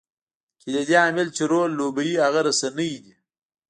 کلیدي عامل چې رول لوبوي هغه رسنۍ دي.